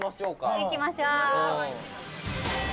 「いきましょう」